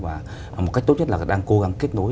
và một cách tốt nhất là đang cố gắng kết nối